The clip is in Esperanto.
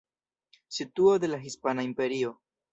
Situo de la Hispana Imperio.